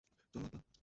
চলো, আব্বা।